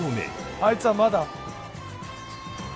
「あいつはまだ」